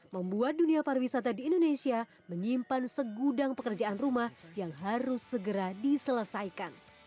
membuat dunia pariwisata di indonesia menyimpan segudang pekerjaan rumah yang harus segera diselesaikan